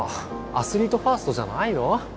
アスリートファーストじゃないの？